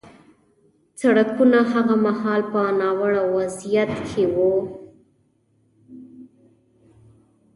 سړکونه هغه مهال په ناوړه وضعیت کې وو